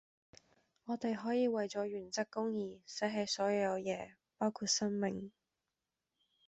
我地可以為左原則公義捨棄所有既野包括生命